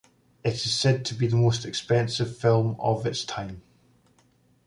It is said to be the most expensive film of its time.